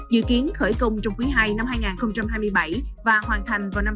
dự kiến khởi công trong quý ii năm hai nghìn hai mươi bảy và hoàn thành vào năm hai nghìn hai mươi